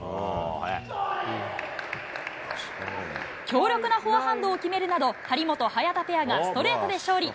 強力なフォアハンドを決めるなど、張本・早田ペアがストレートで勝利。